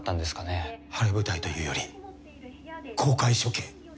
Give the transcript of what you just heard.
晴れ舞台というより公開処刑。